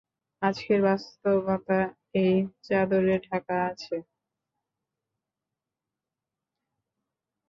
আজকের বাস্তবতা এই চাদরে ডাকা আছে।